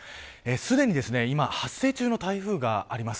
すでに今、発生中の台風があります。